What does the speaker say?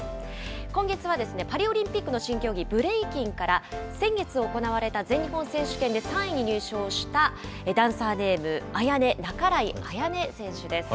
今月はパリオリンピックの新競技、ブレイキンから、先月行われた全日本選手権で３位に入賞した、ダンサーネーム、ＡＹＡＮＥ、半井彩弥選手です。